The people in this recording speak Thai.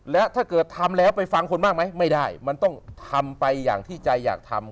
และถ้าเกิดทำแล้วไปฟังคนมากไหมไม่ได้มันต้องทำไปอย่างที่ใจอยากทำ